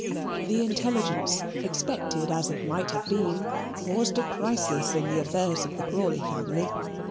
The intelligence, expected as it might have been, caused a crisis in the affairs of the Crawley family.